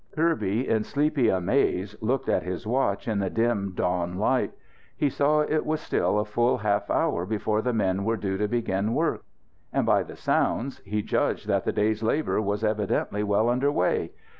Kirby, in sleepy amaze, looked at his watch in the dim dawn light. He saw it was still a full half hour before the men were due to begin work. And by the sounds he judged that the day's labour was evidently well under way.